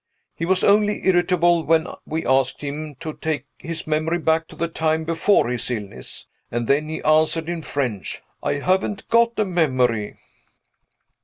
He was only irritable when we asked him to take his memory back to the time before his illness; and then he answered in French, "I haven't got a memory."